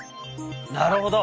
なるほど。